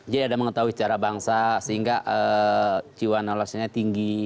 jadi ada mengetahui sejarah bangsa sehingga jiwa nolasinya tinggi